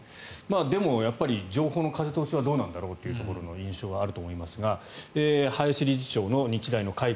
でも、情報の風通しはどうなんだろうっていうところの印象はあると思いますが林理事長の日大の改革